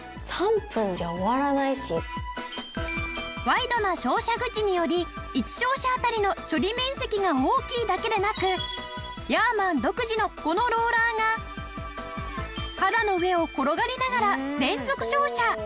ワイドな照射口により１照射あたりの処理面積が大きいだけでなくヤーマン独自のこのローラーが肌の上を転がりながら連続照射！